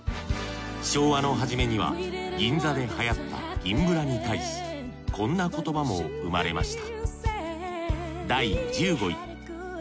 昭和の初めには銀座ではやった「銀ブラ」に対しこんな言葉も生まれました